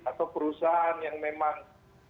atau perusahaan yang memang